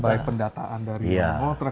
baik pendataan dari orang